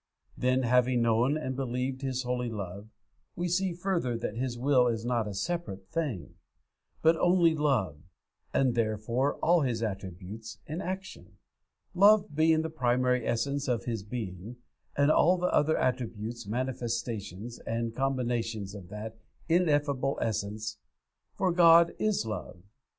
Then having known and believed this holy love, we see further that His will is not a separate thing, but only love (and therefore all His attributes) in action; love being the primary essence of His being, and all the other attributes manifestations and combinations of that ineffable essence, for God is Love.